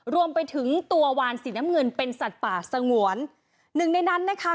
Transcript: รวมไปถึงตัววานสีน้ำเงินเป็นสัตว์ป่าสงวนหนึ่งในนั้นนะคะ